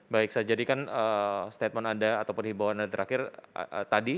baik saya jadikan statement anda atau perhimbauan anda terakhir tadi